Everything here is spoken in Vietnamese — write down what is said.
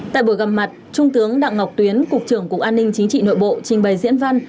tại buổi gặp mặt trung tướng đặng ngọc tuyến cục trưởng cục an ninh chính trị nội bộ trình bày diễn văn